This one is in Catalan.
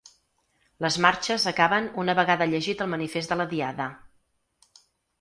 Les marxes acaben una vegada llegit el manifest de la Diada.